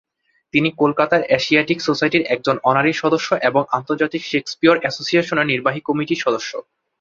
তিনি কলকাতার এশিয়াটিক সোসাইটির একজন অনারারি সদস্য এবং আন্তর্জাতিক শেক্সপিয়ার অ্যাসোসিয়েশনের নির্বাহী কমিটির সদস্য।